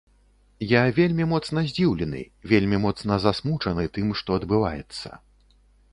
Я вельмі моцна здзіўлены, вельмі моцна засмучаны тым, што адбываецца.